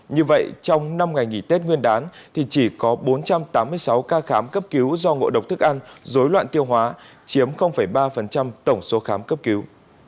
như vậy trong năm ngày nghỉ tết nguyên đán thì chỉ có bốn trăm tám mươi sáu ca khám cấp cứu do ngộ độc thức ăn dối loạn tiêu hóa chiếm ba tổng số khám cấp cứu